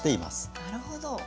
なるほど。